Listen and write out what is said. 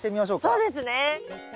そうですね。